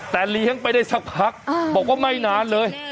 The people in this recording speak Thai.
แต่เลี้ยงไปได้สักพักบอกว่าไม่นานเลย